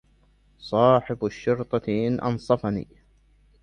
صاحب الشرطة إن أنصفني